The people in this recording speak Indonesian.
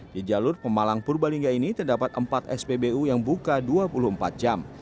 di jalur pemalang purbalingga ini terdapat empat spbu yang buka dua puluh empat jam